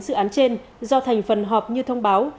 dự án trên do thành phần họp như thông báo